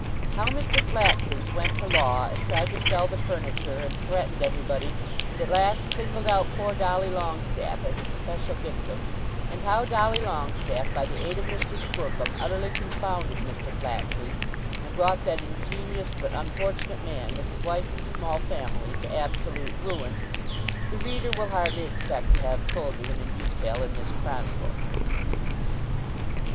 How Mr. Flatfleece went to law, and tried to sell the furniture, and threatened everybody, and at last singled out poor Dolly Longestaffe as his special victim; and how Dolly Longestaffe, by the aid of Mr. Squercum, utterly confounded Mr. Flatfleece, and brought that ingenious but unfortunate man, with his wife and small family, to absolute ruin, the reader will hardly expect to have told to him in detail in this chronicle.